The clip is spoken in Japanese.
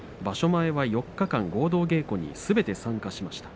前は４日間、合同稽古すべて参加しました。